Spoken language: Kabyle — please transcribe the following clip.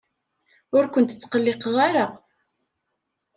Ur kent-ttqelliqeɣ ara.